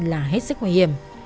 là hết sức nguy hiểm